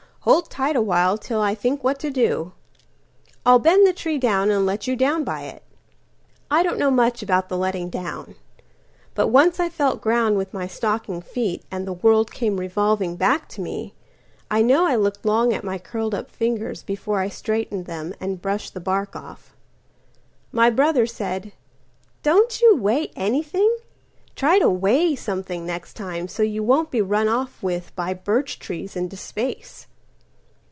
Hold tight awhile till I think what to do. I'll bend the tree down and let you down by it."I don't know much about the letting down; But once I felt ground with my stocking feetAnd the world came revolving back to me,I know I looked long at my curled up fingers, Before I straightened them and brushed the bark off.My brother said: "Don't you weigh anything? Try to weigh something next time, so you won'tBe run off with by birch trees into space."